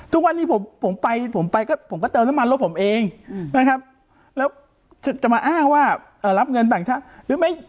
ทุกวันนี้ผมไปผมไปก็เดินละมันรถผมเองจะมาอ้างว่ารับเงินจากฉาหรือไม่